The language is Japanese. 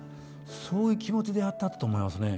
そういう気持ちでやってはったと思いますね。